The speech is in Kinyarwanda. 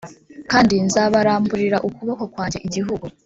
Kandi nzabaramburira ukuboko kwanjye igihugu